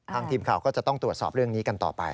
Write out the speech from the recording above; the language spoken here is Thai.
ทีมข่าวก็จะต้องตรวจสอบเรื่องนี้กันต่อไป